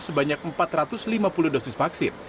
sebanyak empat ratus lima puluh dosis vaksin